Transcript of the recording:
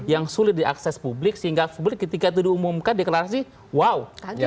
yang sulit diakses publik sehingga publik ketika itu diumumkan deklarasi wow